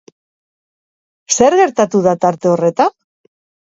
Zer gertatu da tarte horretan?